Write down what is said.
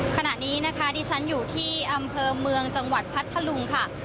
ขณะนี้นะคะดิฉันอยู่ที่อำเภอเมืองจังหวัดพัทธลุงค่ะ